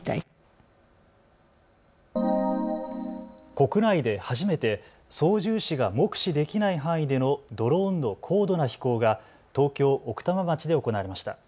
国内で初めて操縦士が目視できない範囲でのドローンの高度な飛行が東京奥多摩町で行われました。